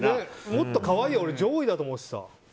もっと可愛いは上位だと思ってた。